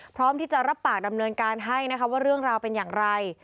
พร้อมที่จะรับปากดำเนินการให้นะคะว่าเรื่องราวเป็นอย่างไร